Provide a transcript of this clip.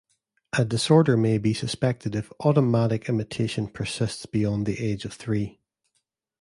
A disorder may be suspected if automatic imitation persists beyond the age of three.